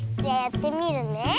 じゃやってみるね。